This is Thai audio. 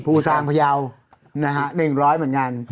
ภูสางพระยาว๑๐๐เหมือนกัน